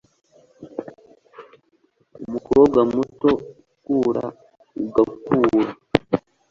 Umukobwa muto ukura ugakura